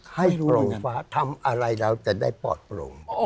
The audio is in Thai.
ให้โรงฟ้าทำอะไรเราจะได้ปลอดโปร่ง